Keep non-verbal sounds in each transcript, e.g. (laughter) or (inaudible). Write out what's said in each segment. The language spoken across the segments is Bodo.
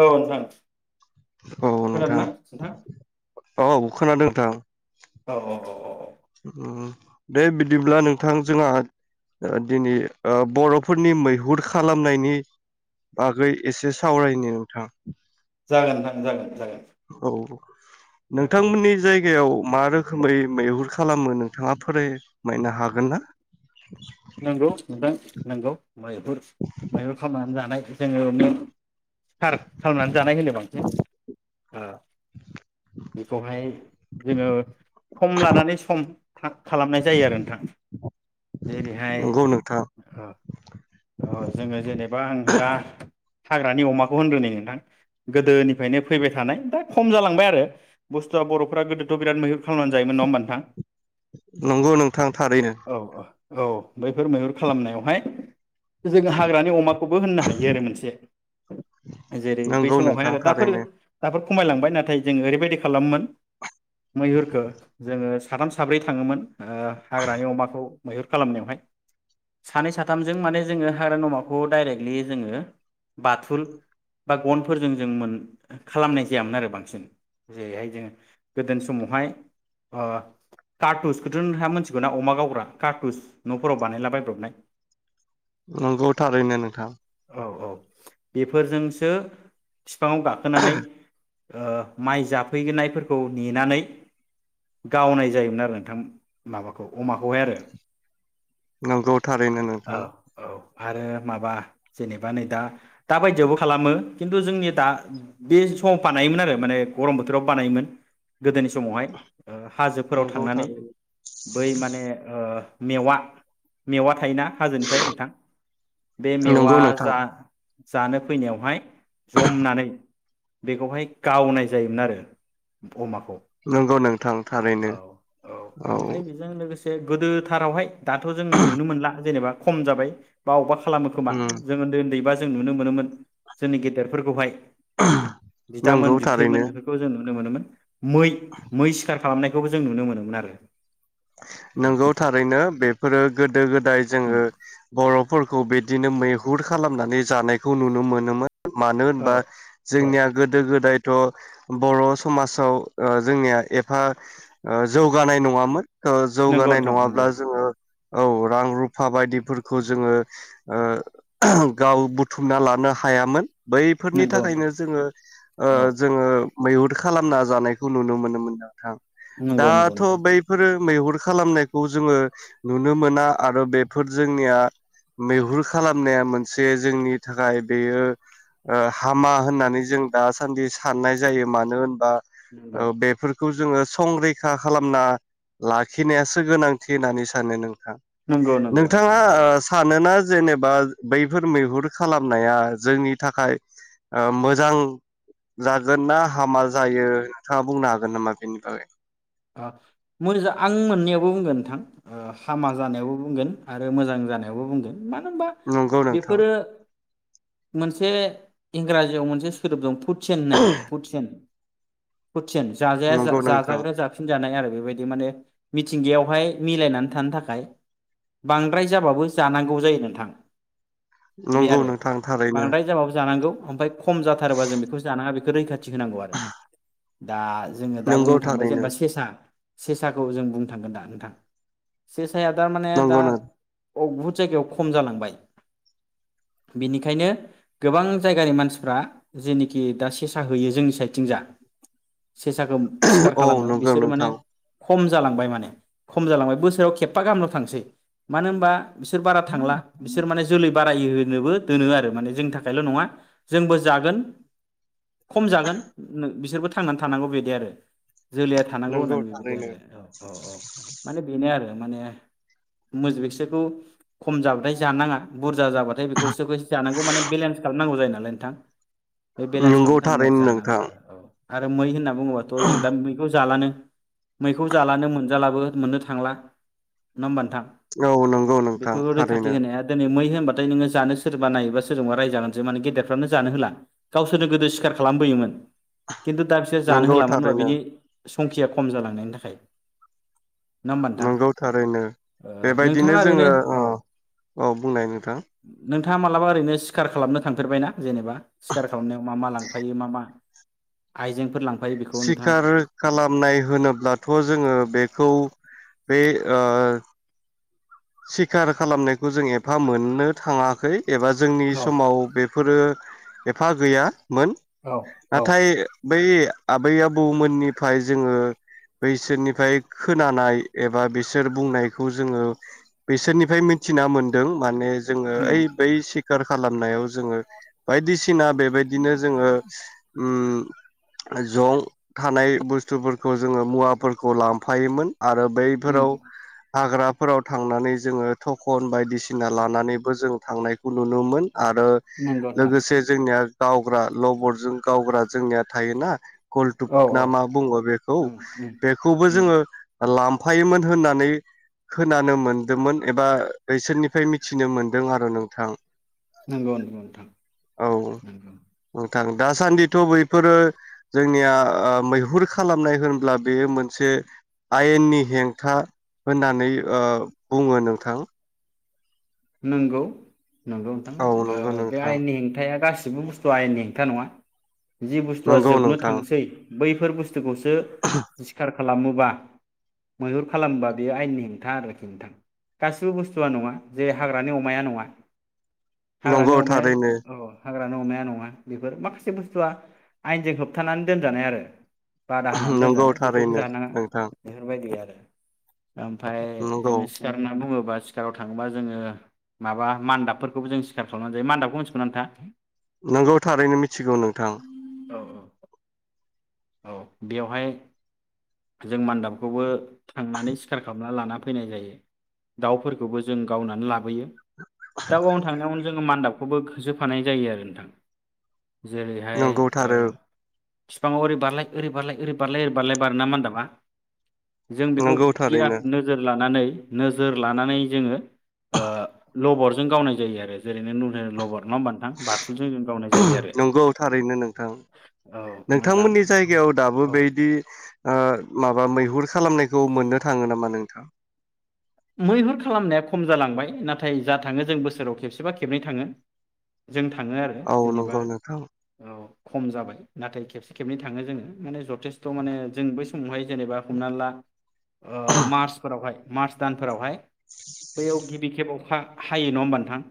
औ नोंथां। औ खोनादों नोंथां ना औ खोनादों नोंथां औ औ औ औ उम। दे बिदिब्ला नोंथां जोंहा ओ दिनै ओ बर'फोरनि मैहुर खालामनायनि बागै एसे सावरायनो नोंथां। जागोन नोंथां जागोन जागोन। औ जागोन नोंथांमोननि जाय गायाव मा रोखोमै मैहुर खालामो नोंथाङा फोररायमायनो हागोन ना? नोंगौ नोंथां नोंगौ। मैहुर मैहुर खालामनानै जानाय (unintelligible) सिखार खालामनानै जानाय होनो बांसिन। आ। बेखौहाय जोङो सम लानानै सम हा खालामनाय जायो आरो नोंथां। जेरैहाय नंगौ नोंथां ओ ओ जोङो जेनेबा आं दा हाग्रानि अमाखौ होनग्रोनि नोंथां। गोदोनिफ्रायनो फैबाय थानाय दा खम जालांबाय आरो बुस्थुआ बर'फोरा गोदोथ' बिराद मैहुर खालामनानै जायोमोन नङा होमबा नोंथां? नंगौ नोंथां थारैनो। औ औ बैफोर मैहुर खालामनायावहाय जों हाग्रानि अमा खौबो होननो हायो आरो मोनसे जेरै बै नंगौ समावहाय नोंथां आरो दाफोर थारैनो दाफोर खमायलांबाय नाथाय जोङो ओरैबायदि खालामो मोन मैहुरखो जोङो साथाम साब्रै थाङोमोन। ओ हाग्रानि अमाखौ मैहुर खालामनायावहाय सानै साथामजों माने जोङो हाग्रा अमाखौ डाइरेक्टलि जोङो बाथुल बा गनफोरजों जों मोन खालामनाय जायामोन आरो बांसिन। जेरैहाय जोङो गोदो समावहाय कारटुसखौथ' नोंहा मिथिगौ ना अमा गावग्रा कार्टुस न'फोराव बानायला बायब्रबनाय नंगौ थारैनो नोंथां। औ औ बेफोरजोंसो बिफाङाव गाखोनानै ओ माइ जाफैननायफोरखौ नेनानै गावनाय जायोमोन आरो नोंथां माबाखौ अमाखौहाय आरो नंगौ थारैनो नों औ औ आरो माबा जेनेबा नै दा दा बायदियावबो खालामो खिन्थु जोंनि दा बे समाव बानायोमोन आरो माने गरम बोथोराव बानायोमोन। गोदोनि समावहाय हाजोफोराव नंगौ थांनानै थारैनो बै माने मेवा मेवा थायोना हाजोनिफ्राय नोंथां बे मेवआ नंगौ नोंथां जा जानो फैनायावहाय जमनानै बेखौहाय गावनाय जायोमोन आरो ।अमाखौ नंगौ नोंथां। थारैनो औ। से गोदोथारावहाय दाथ' जों नुनो मोनला जेनेबा खम जाबाय बा अबेबा खालामो खोमा उम जों उन्दै उन्दै बा जों नुनो मोनोमोन जोंनि गेदेरफोरखौहाय बिदामोन नंगौ बिथैमोन थारैनो बेफोरखौ जोङो (unintelligible) मै मैस खालामनायखौबो जों नुनो मोनोमोन आरो। नंगौ थारैनो बेफोरो गोदो गोदाय जोङो बर' फोरखौ बिदिनो मैहुर खालामनानै जानायखौ नुनो मोनोमोन। मानो औ होनबा औ जोंनिया गोदो गोदाय। थ' बर' समाजाव ओ जोंनिया एफा ओ जौगानाय नङामोन। ओ नंगौ जौगानाय नोंथां नङाब्ला नंगौ जोङो। औ रां रुफा बायदिफोरखौ जोङो ओह गाव बुथुमना लानो हायामोन। बैफोरनि नंगौ नोंथां थाखायनो जोङो ओह औ जोङो। मैहुर खालामना जानायखौ नुनो मोनोमोन्दोमोन ना। (unintelligible) नंगौ नंगौ दाथ' नोंथां बैफोरो। मैहुर खालामनायखौ जोङो नुनो मोना आरो बेफोर जोंनिया मैहुर खालामनाया मोनसे जोंनि थाखाय बेयो ओह हामा होननानै जों दासान्दि साननाय जायो मानो ओनबा। औ नंगौ बेफोर खौ जोङो संरैखा खालामना। लाखिनायासो गोनांथि होननानै सानो नों ओं नंगौ नंगौ नोंथां नोंथाङा नंगौ ओह सानोना जेनेबा बैफोर मैहुर खालामनाया जोंनि थाखाय ओ मोजां जागोन ना हामा जायो नोंथाङा बुंनो हागोन नामा बेनि बागै? आ मोजा आं मोननैयावबो बुंगोन नोंथां ओह हामा जानायावबो बुंगोन आरो मोजां जानायावबो बुंगोन। मानो ओनबा नंगौ नोंथां बेफोरो मोनसे इंग्राजियाव मोनसे सोदोब दं फुटसेन होननाय आरो फुटसेन। फुतसेन जा-जाया नंगौ नोंथां जा-जागारग्रा जाब जानाय आरो बेबायदि माने मिथिंगायावहाय मिलायनानै थानो थाखाय बांद्राय जाबाबो जानांगौ जायो नोंथां। नंगौ नोंथां थारैनो। ओमफाय। खम जाथारोबा जों बेखौ जानाङा बे रैखा थि होनांगौ आरो दा जोङो दा नंगौ बुंनो थांबाय थारैनो जेनेबा सि आ सेसाखौ जों बुंनो थांगोन दा नोंथां सेस साया दा माने दा। नंगौ नों ब बुहुद जायगायाव खम जालांबाय बिनिखायनो गोबां जायगानि मानसिफ्रा जेनिखि दा सेसा होयो जोंनि साइदथिं जा। सेसाखौ सिखार खालामो नंगौ बिस औ। खम जालांबाय माने खम जालांबाय बोसोराव खेबफा गाहामल' थांसै मानो ओमबा बिसोर बारा थांला बिसोर माने जोलै बाराय होनोबो दोनो आरो माने जोंनि थाखायल' नङा जोंबो जागोन। खम जागोन नो बिसोरबो थो थांनानै थानांगौ बिदि आरो जोलै थानांगौ नंगौ होननानै बिबायदि थारैनो आरो औ औ औ माने बेनो आरो। माने मोजबेससेबखौ खम जाबाथाय जानाङा बुर (unintelligible) थालौ नोंथां। बे बेलेन्स नंगौ खालामनो थाखायनो थारैनो जानांगौ नोंथां आरो औ। आरो मै होनना बुङोबाथ' जों दा बिखौ जो जालानो मैखौ जालानो मोनजालाबो मोननो थांला नङा होमबा नो औ नंगौ नोंथां थारैनो। होय होनबाथाय नोङो जानो सोरबा नायोबबा सोरजोंबा रायजागोनसो माने गेदेरफ्रानो जानो होला गावसोरनो गोदो सिखार खालामबोयोमोन। खिन्थु दा बिसोर जानो नंगौ होला मानो होनबा थारैनो बिनि संखिया खम जालांनायनि थाखाय। नङा होमबा नंगौ थारैनो नोंथां ओ बेबायदिनो नोंथाङा ओरैनो जोङो ओ औ औ बुंनाय नोंथां। नोंथाङा मालाबा ओरैनो सिखार खालामनो थांफेरबायना जेनेबा सिखार खालामनायाव मा मा लांफायो मा मा आइजेंफोर लांफा सिखार कालाप नाय होनोब्लाथ' जोङो बेखौ बे ओ सिखार खालामनायखौ जों एफा मोननो थाङाखै। एबा जोंनि औ समाव बेफोरो एफा गैया। मोन औ औ नाथाय बै आबै आबौमोननिफ्राय जोङो बैसोरनिफ्राय खोनानाय एबा बिसोर बुंनायखौ जोङो बिसोरनिफ्राय मिथिना मोनदों माने जोङो उम ओइ बै सिख खार खालामनायाव जोङो बायदिसि ना बेबायदिनो जोङो उम जं थानाय बुस्थुफोरखौ जोङो मुवाफोरखौ लांफायोमोन । आरो उम बैफोराव हाग्राफोराव थां थांनानै जोङो थ'कन बायदिसिना लानानैबो जों थांनायखौ नुनोमोन। आरो नंगौ नोंथां लोगोसे जोंनिया गावग्रा लबरजों गावग्रा जोंनिया थायोना कलटुब औ ना औ मा बुङो बेखौ उम उम बेखौबो उम जोङो‌ लांफायोमोन होननानै खोनानो मोनदोंमोन एबा बैसोरनिफ्राय मिथिनो मोनदों आरो नोंथां। नंगौ नंगौ नोंथां नंगौ। थां दासान्दिथ' बैफोरो जोंनिया मैहुर खालामनाय होनब्ला बेयो मोनसे आयेननि हेंथा होननानै ओ बुङो नोंथां। नोंगौ। नोंगौ नोंथां औ ओ नंगौ बे नोंथां आयेननि हेंथाया गासिबो गासिबो बुस्थुआ आयेननि हेंथा नङा। जि बुस्थुआ नंगौ जोबनो नोंथां थांसै बैफोर बुस्थु खौसो सिखार खालामोबा मैहुर खालामोबा बेयो आयेननि हेंथा आरोखि हेंथा गासिबो बुस्थुआ नङा। जे हाग्रानि अमाया नङा। नंगौ हाग्रानि अमाया थारैनो अ हाग्राानि अमाया नङा बेफोर माखासे बुस्थुआ आयेनजों होबथानानै दोनजानाय आरो। बादा होनानै नंगौ दोनजानाय बेखौबो थारैनो जानाङा नोंथां बेफोरबायदि आरो। ओमफ्राय नंगौ जोङो (unintelligible) ना बुङो। सोरबा सिखाराव थां थांबा जोङो माबा मानदाबफोरखौबो जोङो सिथार खामाना जायो। मान्दाबखौ मिथिगौना नोंथांआ? नोंगौ थारैनो मिथिगौ नोंथां। औ औ औ बेवहाय, जों मान्दाबखौबो थांनानै सिखार खालामना लाना फैनाय जायो। दाउफोरखौबो जों गावनानै लाबोयो। दाव गावनो थांनायावनो जोङो मान्दाबखौबो होसोफानाय जायो आरो नोंथां। जेरैहाय नोंगौ ओ थारो बिफाङाव ओरै बारल ओैरै बारलाय ओरै बारल ओैरै बारलाय बारो ना होनदामा। जों बेखौ नोंगौ बिराद थारैनो नोजोर लानानै नोजोर लानानै जोङो, ओ लबरजों गावनाय जायो आरो जेरै नो लबर नङा होनबा नोंथां? बाथलजों जों गावनाय जायो आरो नंगौ थारैनो नोंथां नोंथांमोननि । जायगायाव दाबो बेबायदि ओ माबा मैहुर खा खालामनायखौ मोननो थाङो नामा? औ नोंथां। मैहुर खालामनाया खम जालांबाय, नाथाय जा थाङो जों बोसोराव खेबसेबा खेबनै थाङो। जों थाङो आरो औ जेनेबा नंगौ नोंथां खम जाबाय नाथाय खेबसे खेबनै थाङो जोङो, माने जथेस्थ माने जों बै समावहाय जेनेबा हमना, ला ओ मार्च फोरावहाय मार्स। भुटान फोरावहाय बैयाव गिबिखेब अखा हायो नङा होमबा नोंथां?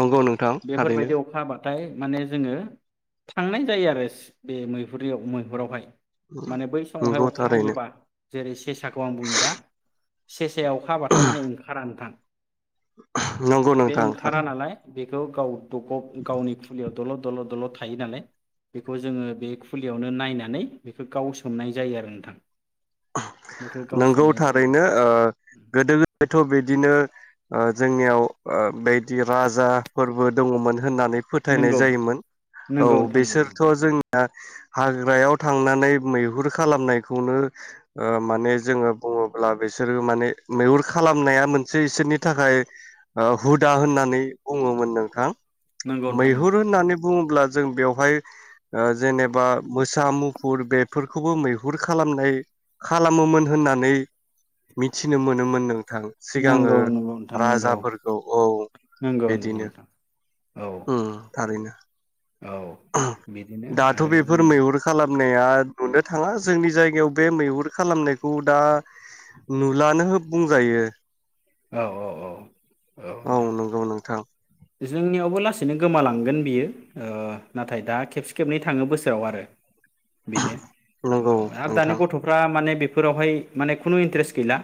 नंगौ नोंथां थारैनो। ओमफ्राय माने जोङो थांनाय जायो आरो बे मैहुर मैहुरावहाय। माने बै समावहाय नंगौ अखा थारैनो हायोबा जेरै सेसाखौ आं बुनि दा सेसायाव अखाहाबाथाय माने ओंखारा नोंथां। नंगौ बे नोंथां ओंखारा थारैनो। (unintelligible) बेखौ गाउ। गावनि फुलियाव दलद दलद दलद। थायो नालाय बेखौ जोङो बे खुलियावनो नायनानै बेखौ गावसोमनाय जायो आरो नोंथां। बेखौ गाव नंगौ सोमनाय जायो थारैनो। ओ गोदो गोदायथ' बिदिनो ओ जोंनियाव ओ बेदि राजा फोरबो दङमोन। होननानै फोथायनाय नंगौ जायोमोन औ नंगौ नोंथां बेसोरथ' जों हाग्रायाव थांनानै मैहुर खालामनायखौनो ओ माने जोङो बुङोब्ला बिसोरो माने मैहुर खालामनाया मोनसे इसोरनि थाखाय ओ हुदा होननानै बुङोमोन नोंथां। नंगौ नंगौ नोंथां मैहुर होननानै बुङोब्ला जों बेवहाय ओ जेनेबा मोसा मुफुर बेफोरखौबो मैहुर खालामनाय खालामोमोन होननानै मिथिनो मोनोमोन नों थां सिगाङो नंगौ नंगौ नोंथां नंगौ राजाफोरखौ औ नंगौ नंगौ बिदिनो नोंथां औ ओम थारैनो। औ बिदिनो आरो जों नाया नुनो थाङा जोंनि जायगायाव बे मैहुर खालामनायखौ दा नुलानो बुंजायो। औ औ औ औ नोंथां नंगौ नोंथां जोंनियावबो लासै सैनो गोमालांगोन बियो ओ नाथाय दा खेबसे खेबनै थाङो बोसोराव आरो बेनो औ नंगौ आरो दानि नोंथां गथ'फ्रा माने बे बेफोरावहाय माने खुनु इन्ट्रेस्त गैला।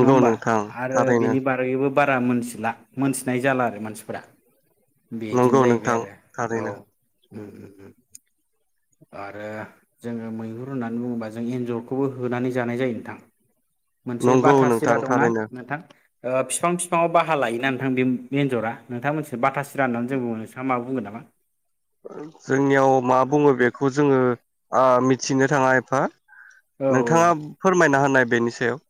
नङा होमबा नोंथां आरो थारैनो। बेनि बारैबो बारा मोनथिला मोनथिनाय जाला आरो मानसिफोरा। नंगौ बिदिनो जाहैबाय नोंथां आरो औ। थारैनो उम उम। आरो जोङो मैहुर होननानै बुङोबा जों एन्जरखौबो होनानै जानाय जायो नोंथां। मोनसे नंगौ बाथा नोंथां सिरा दंना थारैनो नोंथां? ओ फिफां फिफां आव बाहा लायोना नोंथां बे एन्जरा नोंथांमोनसि बाथासिरा होननानै जों बुङो नोंसाङा मा बुंगोन नामा? जोंनियाव मा बुङो बेखौ जोङो ओ मिथिनो थाङा एफा औ नोंथाङा फोरमायना होनाय बेनि सायाव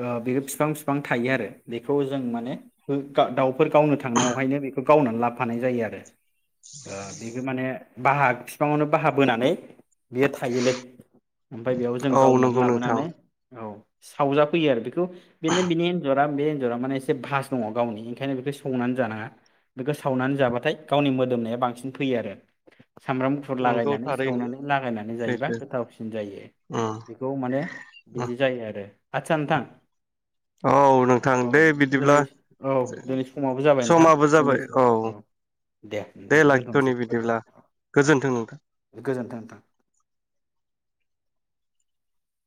बेबो फिफां फिफां थायो आरो बेखौ जों माने दाउफोर गावनो थांनायावहायनो बेखौ गावनानै लाफानाय जायो आरो। ओ बेबो माने बाहा फिफाङावनो बाहा बोनानै बेयो थायोलै ओमफ्राय बेयाव जों औ गावनानै नंगौ नोंथां लाबोनानै औ। सावजा फैयो आरो बे बिखौ बिनि बिनि एनजर दा बे एन्जरा माने एसे भास दङ गावनि ओंखायनो बेखौ संनानै जानाङा बेखौ सावनानै जाबाथाय गावनि मोदोमनाया बांसिन फैयो आरो। सामब्राम गुफुर नंगौ लागायनानै थारैनो सावनानै लागायनानै जायोबा सैथो गोथावसिन जायो उम बेखौ माने बिदि जायो आरो। आतसा नोंथां औ नोंथां औ दे बिदिब्ला दिनै औ दिनै समाबो जाबाय नोंथां समाबो दिनै जाबाय औ दे नोंथां लाखिथ'नि दोनथ'नोसै औ बिदिब्ला गोजोन्थों नोंथां औ गोजोनथों नोंथां।